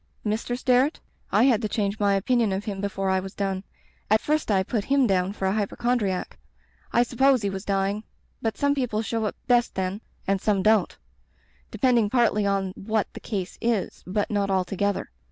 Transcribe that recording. "Mr. Sterret? I had to change my opin ion of him before I was done. At first I put him down for a hypochondriac. I supposed he was dying. But some people show up best then — and some don't; depending partly on what the case is, but not altogether.